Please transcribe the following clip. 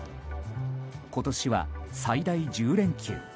今年は、最大１０連休。